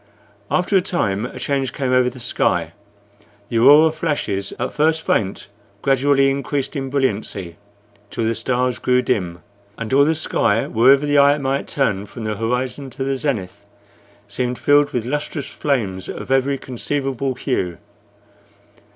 After a time a change came over the sky: the aurora flashes, at first faint, gradually increased in brilliancy till the stars grew dim, and all the sky, wherever the eye might turn from the horizon to the zenith, seemed filled with lustrous flames of every conceivable hue.